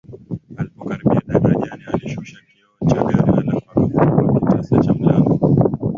Alipokaribia darajani alishusha kioo cha gari halafu akafungua kitasa cha mlango